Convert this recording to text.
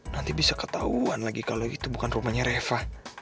nanti bisa ketahuan lagi kalau itu bukan rumahnya reva